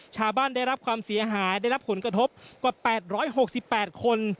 ชาวบ้านได้รับความเสียหายได้รับขุนกระทบกว่า๘๖๘คน